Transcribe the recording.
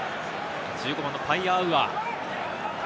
１５番のパイアアウア。